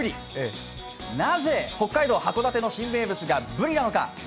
なぜ北海道函館の新名物がブリなのか。